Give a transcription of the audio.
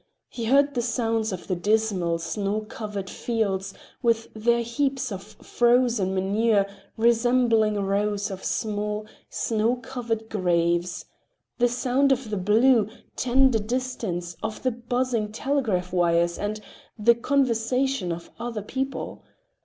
He heard the sounds of the dismal, snow covered fields, with their heaps of frozen manure resembling rows of small, snow covered graves, the sounds of the blue, tender distance, of the buzzing telegraph wires, and the conversation of other people.